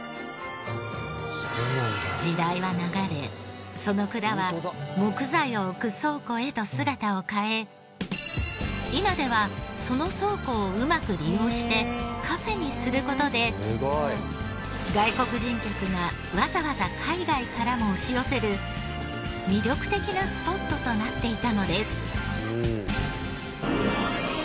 時代は流れその蔵は木材を置く倉庫へと姿を変え今ではその倉庫をうまく利用してカフェにする事で外国人客がわざわざ海外からも押し寄せる魅力的なスポットとなっていたのです。